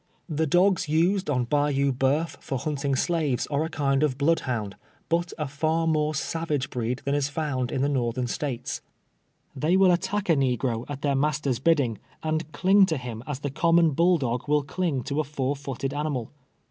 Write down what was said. The dogs used on Bayou Ba'uf for hunting slaves are a kind of blood hound, but a far more savage breed than is found in the Northern States. They will attack a negro, at their PUKSIED BY HOUNDS. 137 master's biddinu , and cliiip^ to liiiu as the common bull doo; will clino; to a tViur footed animal.